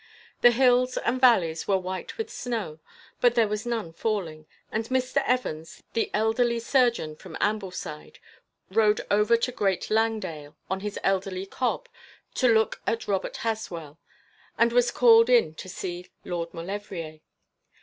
The hills and valleys were white with snow, but there was none falling, and Mr. Evans, the elderly surgeon from Ambleside, rode over to Great Langdale on his elderly cob to look at Robert Haswell, and was called in to see Lord Maulevrier.